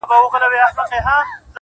• په جوپو جوپو به دام ته نه ورتللې -